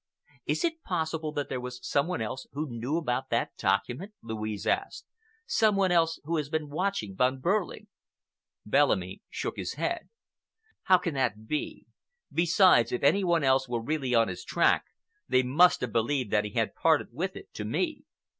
"Is it possible that there is some one else who knew about that document?" Louise asked,—"some one else who has been watching Von Behrling?" Bellamy shook his head. "How can that be? Besides, if any one else were really on his track, they must have believed that he had parted with it to me.